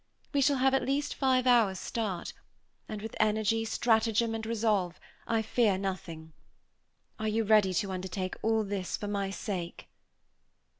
We shall have at least five hours' start; and with energy, stratagem, and resource, I fear nothing. Are you ready to undertake all this for my sake?"